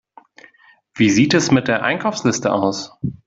Wie sieht es mit der Einkaufsliste aus?